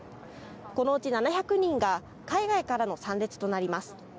このうち７００人が海外からの参列となります。